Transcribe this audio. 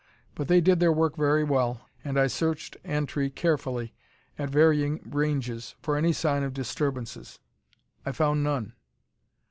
But they did their work very well, and I searched Antri carefully, at varying ranges, for any sign of disturbances. I found none.